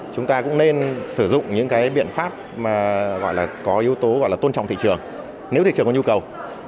chúng ta cũng nên sử dụng những cái biện pháp mà gọi là có yếu tố gọi là tôn trọng thị trường nếu thị trường có nhu cầu